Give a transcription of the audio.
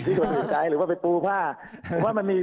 ที่คนอื่นใจหรือว่าไปปูผ้า